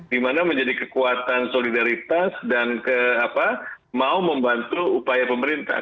dimana menjadi kekuatan solidaritas dan mau membantu upaya pemerintah